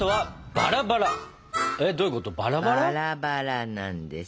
バラバラなんです。